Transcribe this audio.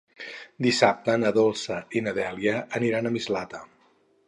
Dissabte na Dolça i na Dèlia aniran a Mislata.